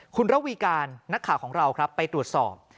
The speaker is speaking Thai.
คุณระวีการนักข่าวของเราครับไปตรวจสอบ